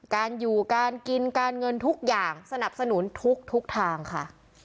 การอยู่การกินการเงินทุกอย่างสนับสนุนทุกทางค่ะ